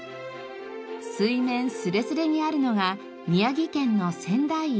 水面スレスレにあるのが宮城県の仙台石。